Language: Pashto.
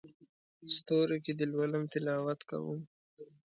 ستورو کې دې لولم تلاوت کوم